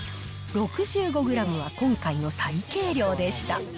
６５グラムは今回の最軽量でした。